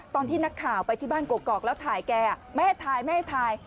ตอนที่นักข่าวไปที่บ้านกอกแล้วถ่ายแกแม่ถ่ายแม่ถ่าย